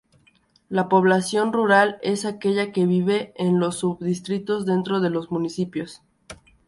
La población rural es aquella que vive en los sub-distritos dentro de los municipios.